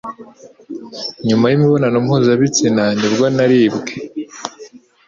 nyuma y'imibonano mpuzabitsina nibwo naribwe